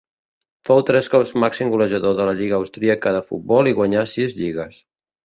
Fou tres cops màxim golejador de la lliga austríaca de futbol i guanyà sis lligues.